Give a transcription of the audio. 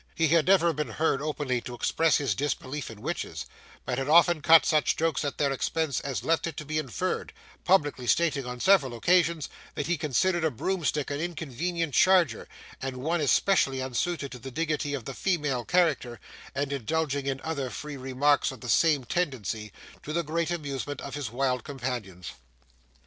He had never been heard openly to express his disbelief in witches, but had often cut such jokes at their expense as left it to be inferred; publicly stating on several occasions that he considered a broomstick an inconvenient charger, and one especially unsuited to the dignity of the female character, and indulging in other free remarks of the same tendency, to the great amusement of his wild companions.